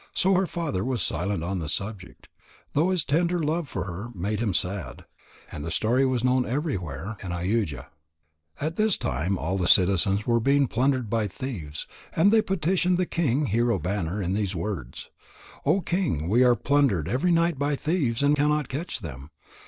So her father was silent on the subject, though his tender love for her made him sad. And the story was known everywhere in Ayodhya. At this time all the citizens were being plundered by thieves, and they petitioned King Hero banner in these words: "O King, we are plundered every night by thieves, and cannot catch them.